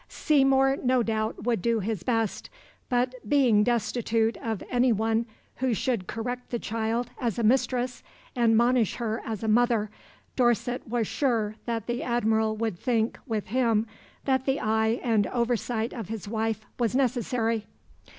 Seymour no doubt would do his best; but, being destitute of any one who should correct the child as a mistress and monish her as a mother, Dorset was sure that the Admiral would think, with him, that the eye and oversight of his wife was necessary.